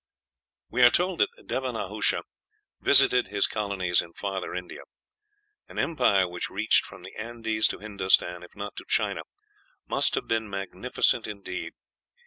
We are told that Deva Nahusha visited his colonies in Farther India. An empire which reached from the Andes to Hindostan, if not to China, must have been magnificent indeed.